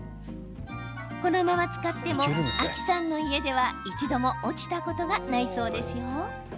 このまま使ってもａｋｉさんの家では、一度も落ちたことがないそうですよ。